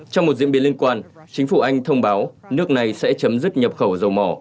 trong một diễn biến liên quan chính phủ anh thông báo nước này sẽ chấm dứt nhập khẩu dầu mỏ